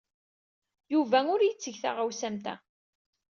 Yuba ur yetteg taɣawsa am ta.